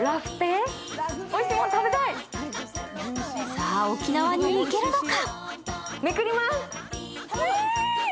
さあ、沖縄に行けるのか？